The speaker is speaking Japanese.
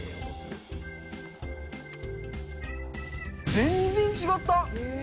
全然違った！